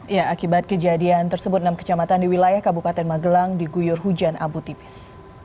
ya akibat kejadian tersebut enam kecamatan di wilayah kabupaten magelang diguyur hujan abu tipis